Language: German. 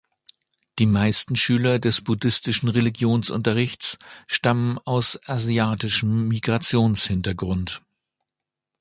Die meisten Schüler des buddhistischen Religionsunterrichts stammen aus asiatischem Migrationshintergrund.